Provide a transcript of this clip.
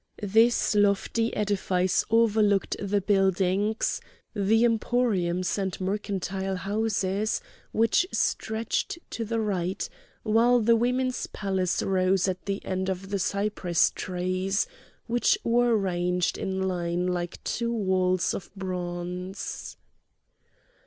This lofty edifice overlooked the buildings—the emporiums and mercantile houses—which stretched to the right, while the women's palace rose at the end of the cypress trees, which were ranged in line like two walls of bronze.